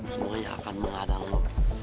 semuanya akan mengadang lo